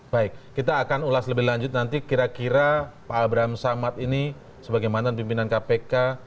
baik kita akan ulas lebih lanjut nanti kira kira pak abraham samad ini sebagai mantan pimpinan kpk